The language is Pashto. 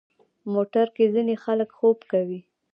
موټر کې ځینې خلک خوب کوي.